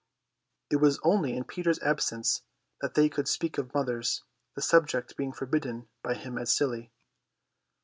It was only in Peter's absence that they could speak of mothers, the subject being forbidden by him as silly.